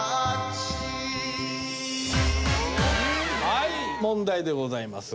はい問題でございます。